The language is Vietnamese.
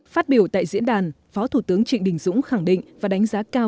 phát biểu tại diễn đàn phó thủ tướng trịnh đình dũng khẳng định và đánh giá cao